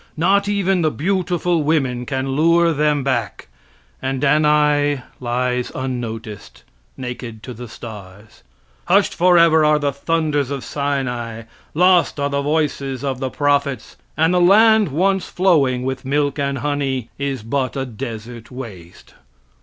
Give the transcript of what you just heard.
Not even the beautiful women can lure them back, and Danae lies unnoticed, naked to the stars. Hushed forever are the thunders of Sinai; lost are the voices of the prophets, and the lard once flowing with milk and honey is but a desert waste.